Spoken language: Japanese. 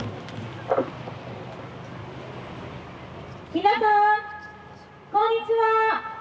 皆さんこんにちは。